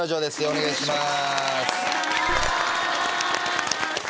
お願いします。